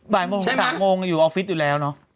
บ่ายโมงถึง๓โมงอยู่ออฟฟิศอยู่แล้วเนอะ